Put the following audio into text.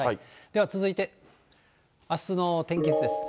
では続いて、あすの天気図です。